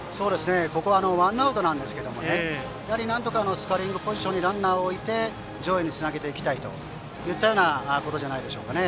ここはワンアウトですけどなんとかスコアリングポジションにランナーを置いて上位につなげていきたいといったようなことじゃないですか。